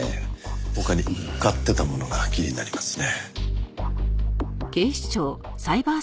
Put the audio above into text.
他に買ってたものが気になりますね。